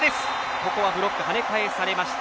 ここはブロックに跳ね返されました。